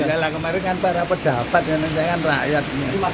enggak lah kemarin kan para pejabat dan rakyat